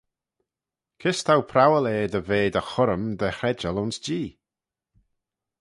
Kys t'ou prowal eh dy ve dty churrym dy chredjal ayns Jee?